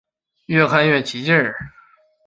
越看越起劲